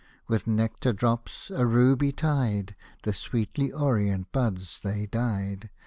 With nectar drops, a ruby tide, The sweetly orient buds they dyed.